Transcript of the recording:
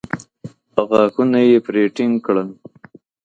غاښونه يې پرې ټينګ کړل.